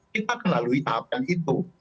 kita akan lalui tahap yang itu